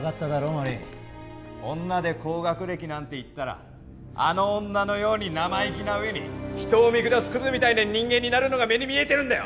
麻里女で高学歴なんていったらあの女のように生意気な上に人を見下すクズみたいな人間になるのが目に見えてるんだよ！